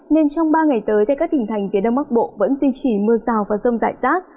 nên trong ba ngày tới tây cát tỉnh thành phía đông bắc bộ vẫn duy trì mưa rào và rông dại rác